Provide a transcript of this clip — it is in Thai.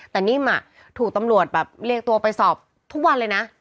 แต่นิ่มถูกตำรวจแบบเรียกตัวไปสอบทุกวันเลยนะ